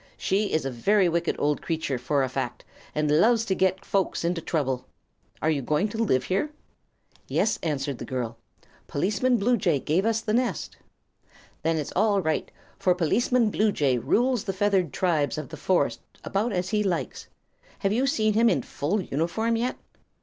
"She is a very wicked old creature, for a fact, and loves to get folks into trouble. Are you going to live here?" "Yes," answered the girl. "Policeman Bluejay gave us this nest." "Then it's all right; for Policeman Bluejay rules the feathered tribes of this forest about as he likes. Have you seen him in full uniform yet?"